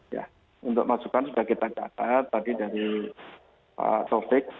ya untuk masukan sudah kita catat tadi dari pak taufik